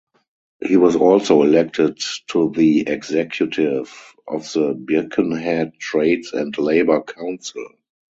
He was also elected to the executive of the Birkenhead Trades and Labour Council.